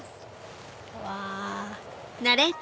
うわ！